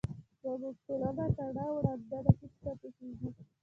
زموږ ټولنه کڼه او ړنده ده هیس نه پوهیږي.